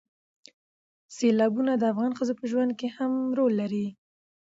سیلابونه د افغان ښځو په ژوند کې هم رول لري.